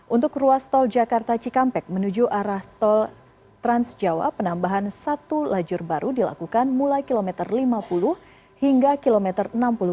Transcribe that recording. untuk ruas tol jakarta cikampek menuju arah tol transjawa penambahan satu lajur baru dilakukan mulai kilometer lima puluh hingga kilometer enam puluh dua